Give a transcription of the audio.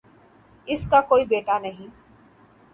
اس کا کوئی بیٹا نہیں